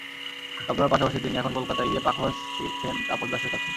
তবলার পাশাপাশি তিনি এখন কলকাতায় গিয়ে পাখোয়াজ শিখছেন তাপস দাশের কাছে।